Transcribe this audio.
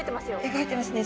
動いてますね。